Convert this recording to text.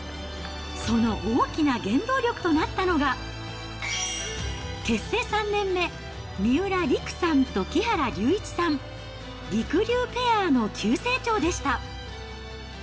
その大きな原動力となったのが、結成３年目、三浦璃来さんと木原龍一さん、りくりゅうペアの急成長でした。